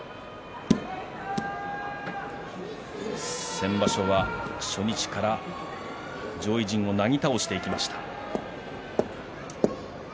先場所は初日から上位陣をなぎ倒していきました錦木。